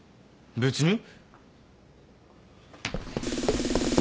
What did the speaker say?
別に。